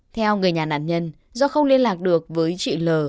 theo người nhà nạn nhân do không liên lạc được với chị l